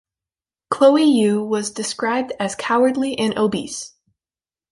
Choe Ui was described as cowardly and obese.